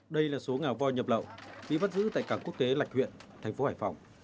đây là số ngà voi nhập lậu bị bắt giữ tại cảng quốc tế lạch huyện thành phố hải phòng